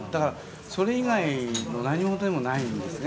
それ以外の何ものでもないんですね。